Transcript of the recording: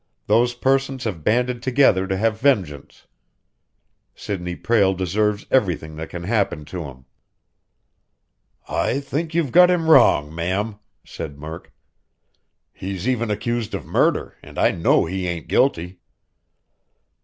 Those persons have banded together to have vengeance. Sidney Prale deserves everything that can happen to him." "I think you've got him wrong, ma'am," said Murk. "He's even accused of murder, and I know he ain't guilty."